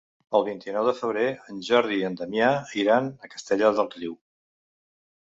El vint-i-nou de febrer en Jordi i en Damià iran a Castellar del Riu.